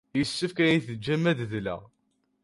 Yessefk ad iyi-tejjem ad d-alleɣ.